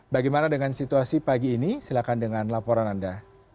bagaimana dengan situasi pagi ini silahkan dengan laporan anda